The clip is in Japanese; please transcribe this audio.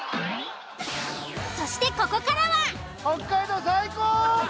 そしてここからは。